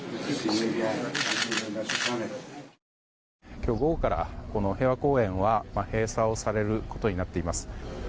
今日午後からこの平和公園は閉鎖をされることになっています。